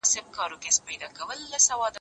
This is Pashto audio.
ما د ښوونځي کتابونه مطالعه کړي دي..